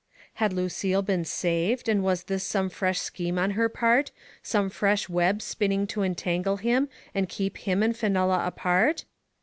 Had Lucille been saved, and was this some fresh scheme on her part, some fresh web spin ning to entangle him and keep him and Fenella apart?